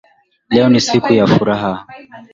Leo ni siku ya furaha.